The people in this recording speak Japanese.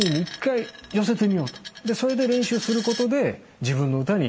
それで練習することで。